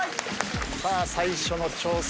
さあ最初の挑戦